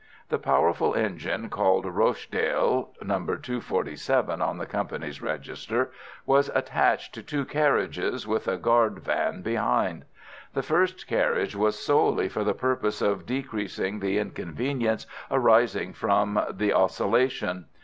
The powerful engine called Rochdale (No. 247 on the company's register) was attached to two carriages, with a guard's van behind. The first carriage was solely for the purpose of decreasing the inconvenience arising from the oscillation.